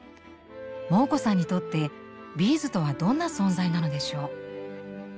モー子さんにとってビーズとはどんな存在なのでしょう？